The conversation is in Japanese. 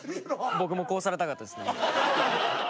僕もこうされたかったですね。